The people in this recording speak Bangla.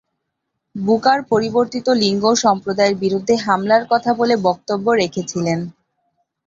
বুকার পরিবর্তিত লিঙ্গ সম্প্রদায়ের বিরুদ্ধে হামলার কথা বলে বক্তব্য রেখেছিলেন।